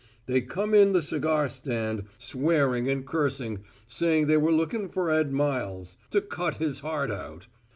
They come in the cigar stand, swearing and cursing, saying they were looking for Ed Miles to cut his heart out.